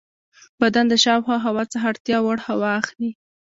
بدن د شاوخوا هوا څخه اړتیا وړ هوا اخلي.